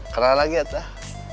kenalan lagi ya tuh